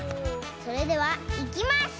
それではいきます！